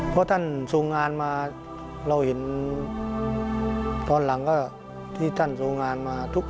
เพราะท่านทรงงานมาเราเห็นตอนหลังก็ที่ท่านทรงงานมาทุกครั้ง